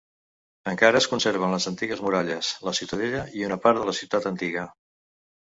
Encara es conserven les antigues muralles, la ciutadella i una part de la ciutat antiga.